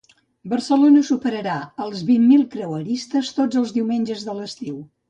Barcelona superarà els vint mil creueristes tots els diumenges de l’estiu.